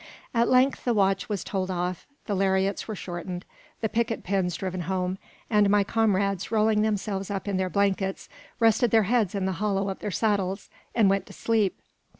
At length the watch was told off, the lariats were shortened, the picket pins driven home, and my comrades, rolling themselves up in their blankets, rested their heads in the hollow of their saddles, and went to sleep.